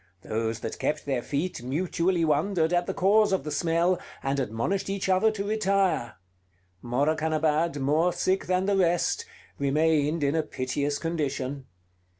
Those that kept their feet mutually wondered at the cause of the smell, and admonished each other to retire. Morakanabad, more sick than the rest, remained in a piteous condition.